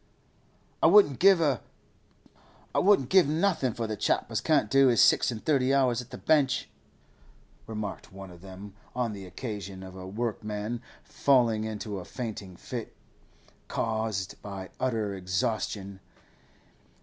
'I wouldn't give a —— for the chap as can't do his six and thirty hours at the bench!' remarked one of them on the occasion of a workman falling into a fainting fit, caused by utter exhaustion.